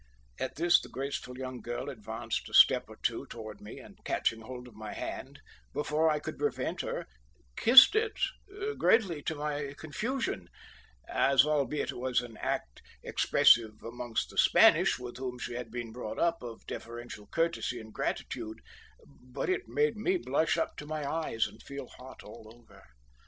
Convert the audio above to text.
At this the graceful young girl advanced a step or two towards me, and catching hold of my hand, before I could prevent her, kissed it, greatly to my confusion; as albeit it was an act expressive amongst the Spanish, with whom she had been brought up, of deferential courtesy and gratitude, but it made me blush up to my eyes and feel hot all over.